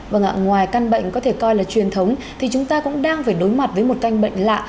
vâng ạ ngoài căn bệnh có thể coi là truyền thống thì chúng ta cũng đang phải đối mặt với một canh bệnh lạ